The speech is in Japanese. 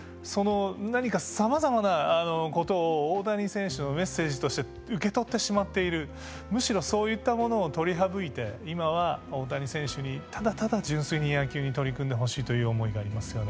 何かさまざまなことを大谷選手のメッセージとして受け取ってしまっているむしろそういったものを取り省いて今は大谷選手にただただ純粋に野球に取り組んでほしいという思いがありますよね。